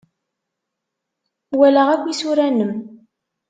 Walaɣ akk isura-nnem.